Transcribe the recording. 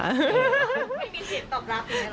ไม่มีจิตตกรับเลยเหรอ